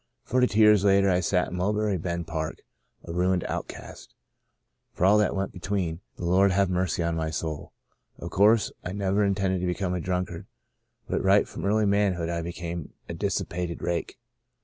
Forty two years later I sat in Mulberry Bend Park a ruined outcast. For all that went between, the Lord have mercy on my soul. Of course I never intended to become a drunkard but right from early manhood I became a dissi pated rake.